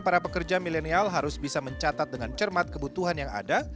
para pekerja milenial harus bisa mencatat dengan cermat kebutuhan yang ada